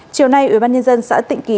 chiều nay ubnd xã tịnh kỳ